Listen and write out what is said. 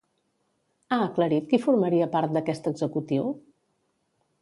Ha aclarit qui formaria part d'aquest executiu?